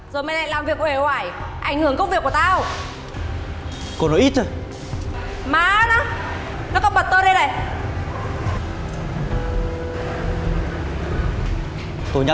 tôi nhắc lại cô đừng có gợi tò mò gì ta